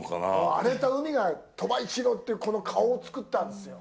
荒れた海が、鳥羽一郎っていうこの顔を作ったんですよ。